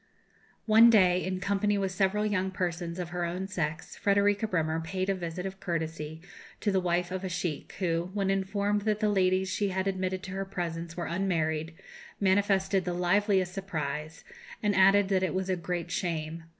One day, in company with several young persons of her own sex, Frederika Bremer paid a visit of courtesy to the wife of a sheikh, who, when informed that the ladies she had admitted to her presence were unmarried, manifested the liveliest surprise, and added that it was a great shame.